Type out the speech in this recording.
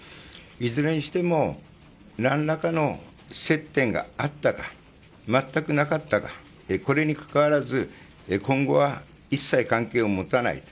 いずれにしても何らかの接点があったか全くなかったかこれにかかわらず今後は一切関係を持たない。